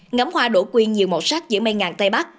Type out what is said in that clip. ngắm hoa đổ quyên nhiều màu sắc giữa mây ngàn tây bắc